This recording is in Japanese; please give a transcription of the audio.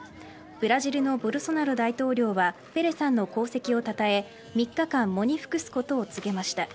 ブラジルのボルソナロ大統領はペレさんの功績をたたえ３日間、喪に服すことを告げました。